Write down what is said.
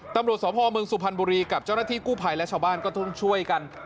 ตำรวจสพเมืองสุพรรณบุรีกับเจ้าหน้าที่กู้ภัยและชาวบ้านก็ต้องช่วยกัน